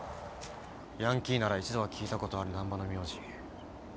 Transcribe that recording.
ヤンキーなら一度は聞いたことある難破の名字。